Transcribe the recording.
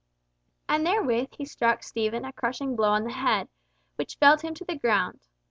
And therewith he struck Stephen a crushing blow on the head, which felled him to the ground.